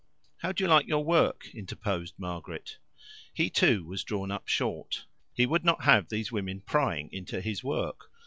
"How do you like your work?" interposed Margaret. He, too, was drawn up short. He would not have these women prying into his work.